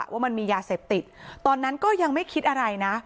ว่ามันมียาเสพติดตอนนั้นก็ยังไม่คิดอะไรนะ